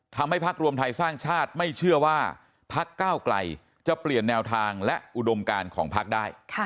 พักรวมไทยสร้างชาติไม่เชื่อว่าพักก้าวไกลจะเปลี่ยนแนวทางและอุดมการของพักได้